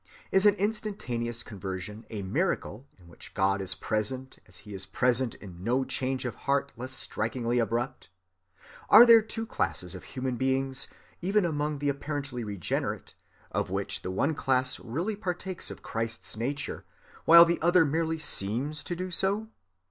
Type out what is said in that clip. Is an instantaneous conversion a miracle in which God is present as he is present in no change of heart less strikingly abrupt? Are there two classes of human beings, even among the apparently regenerate, of which the one class really partakes of Christ's nature while the other merely seems to do so?